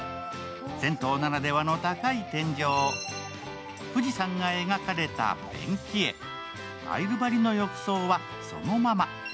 銭湯ならではの高い天井、富士山が描かれたペンキ絵、タイル張りの浴槽はそのまま。